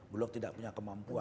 bulog tidak punya kemampuan